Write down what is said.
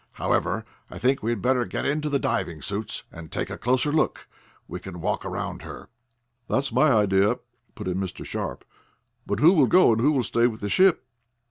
However, I think we had better get into the diving suits and take a closer look. We can walk around her." "That's my idea," put in Mr. Sharp. "But who will go, and who will stay with the ship?"